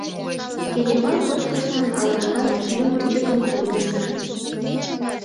Кечывал кочкышлан ала-могай лювырчыкым кондышт.